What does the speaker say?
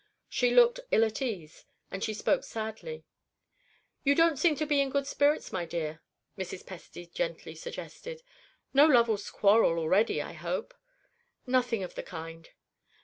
She looked ill at ease, and she spoke sadly. "You don't seem to be in good spirits, my dear," Mrs. Presty gently suggested. "No lovers' quarrel already, I hope?" "Nothing of the kind."